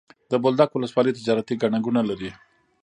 د بولدک ولسوالي تجارتي ګڼه ګوڼه لري.